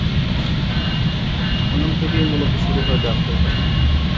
এখান থেকেই মূলত শুরু হয় ডার্কের কাহিনী।